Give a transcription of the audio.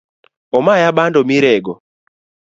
Omaya bando mirego